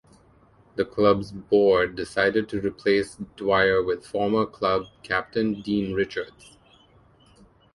The club's board decided to replace Dwyer with former club captain Dean Richards.